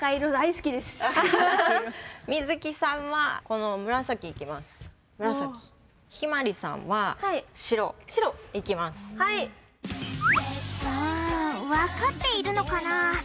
うんわかっているのかな？